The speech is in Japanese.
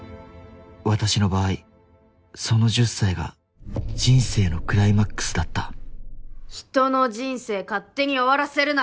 私の場合その１０歳が人生のクライマックスだった人の人生勝手に終わらせるな！